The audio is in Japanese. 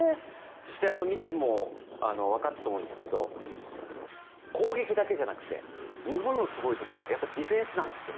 そして見てもわかったと思うんですけど攻撃だけじゃなくて日本のすごいところはやっぱりディフェンスなんですよ。